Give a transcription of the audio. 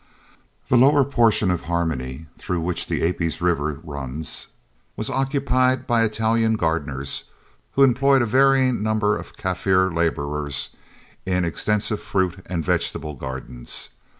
The lower portion of Harmony, through which the Aapies river runs, was occupied by Italian gardeners, who employed a varying number of Kaffir labourers in the extensive fruit and vegetable gardens.